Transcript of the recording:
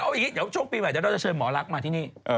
เดี๋ยวช่วงปีใหม่จะได้เชิญหมอลักษณ์มาที่นี่